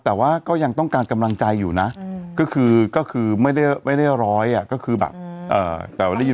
แต่ว่าก็ยังต้องการกำลังใจอยู่นะก็คือไม่ได้ร้อยแต่ก็ได้ยินว่าดีขึ้น